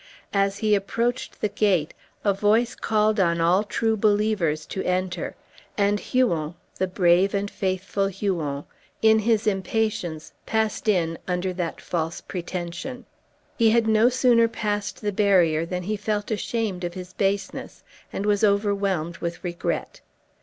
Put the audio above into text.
As he approached the gate a voice called on all true believers to enter; and Huon, the brave and faithful Huon, in his impatience passed in under that false pretention. He had no sooner passed the barrier than he felt ashamed of his baseness, and was overwhelmed with regret.